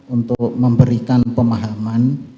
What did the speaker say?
untuk memberikan pemahaman